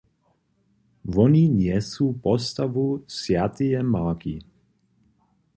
Woni njesu postawu swjateje Marki.